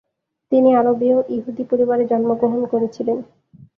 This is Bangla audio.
তিনি আরবীয় ইহুদি পরিবারে জন্মগ্রহণ করেছিলেন।